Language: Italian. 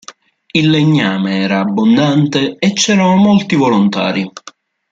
Il legname era abbondante e c'erano molti volontari.